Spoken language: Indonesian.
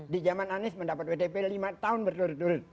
di zaman anies mendapat wtp lima tahun berturut turut